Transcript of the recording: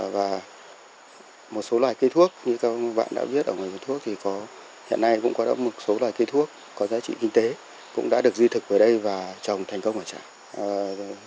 và một số loài cây thuốc như các bạn đã biết ở ngoài thuốc thì hiện nay cũng có một số loài cây thuốc có giá trị kinh tế cũng đã được di thực về đây và trồng thành công ở trạm